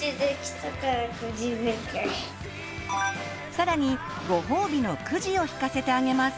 さらにご褒美のくじを引かせてあげます。